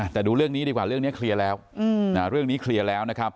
แต่ดูเรื่องนี้ดีกว่าเรื่องนี้เคลียร์แล้ว